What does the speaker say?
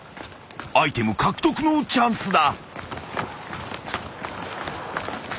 ［アイテム獲得のチャンスだ］